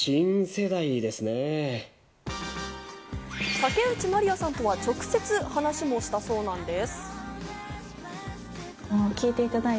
竹内まりやさんとは直接話もしたそうなんです。